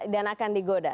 dan akan digoda